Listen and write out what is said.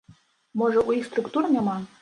Можа, у іх структур няма?